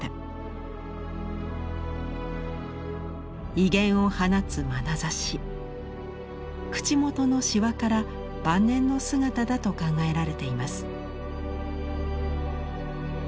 威厳を放つまなざし口元のしわから晩年の姿だと考えられています。